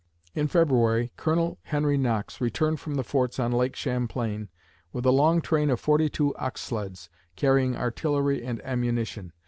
In February, Colonel Henry Knox returned from the forts on Lake Champlain with a long train of forty two ox sleds, carrying artillery and ammunition.